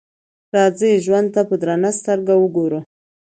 راځئ ژوند ته په درنه سترګه وګورو.